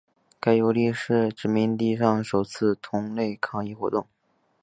该游利是殖民地上首次同类抗议活动。